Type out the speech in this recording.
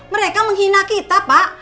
mereka menghina kita pak